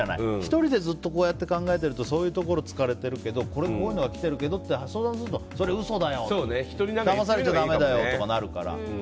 １人でずっと考えているとそういうところを突かれてるけどこういうのが来ているけどって相談すると嘘だよだまされたらだめだよってなるから。